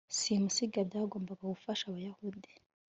simusiga byagombaga gufasha abayahudi